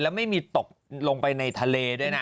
แล้วไม่มีตกลงไปในทะเลด้วยนะ